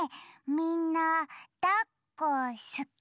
みんなだっこすき？